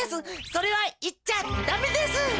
それはいっちゃダメです！